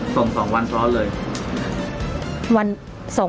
ส่ง๒วันซ้อน